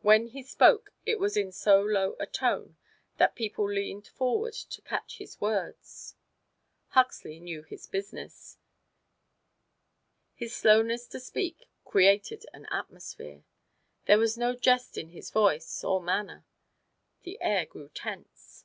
When he spoke it was in so low a tone that people leaned forward to catch his words. Huxley knew his business: his slowness to speak created an atmosphere. There was no jest in his voice or manner. The air grew tense.